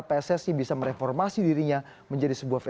paket juga tidak ketua umum